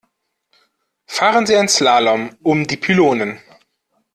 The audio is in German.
Fahren Sie einen Slalom um die Pylonen.